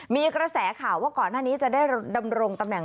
มีกระแสข่าวว่าก่อนหน้านี้จะได้ดำรงตำแหน่ง